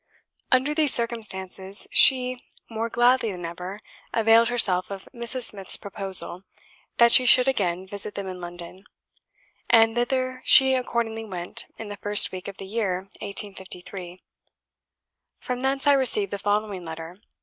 Under these circumstances she, more gladly than ever, availed herself of Mrs. Smith's proposal, that she should again visit them in London; and thither she accordingly went in the first week of the year 1853. From thence I received the following letter.